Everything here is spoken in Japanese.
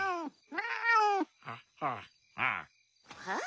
はあ？